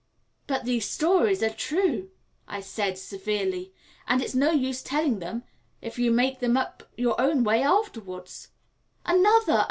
"But these stories are true," I said severely; "and it's no use my telling them if you make them up your own way afterwards." "Another!